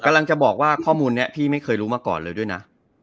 กำลังจะบอกว่าข้อมูลนี้พี่ไม่เคยรู้มาก่อนเลยด้วยนะ